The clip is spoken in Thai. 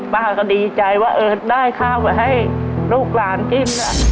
ป้าก็ดีใจว่าเออได้ข้าวไว้ให้ลูกหลานกิน